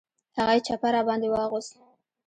هغه یې چپه را باندې واغوست.